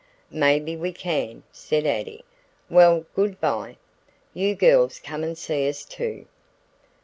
"Maybe we can," said Addie. "Well, good by. You girls come and see us, too."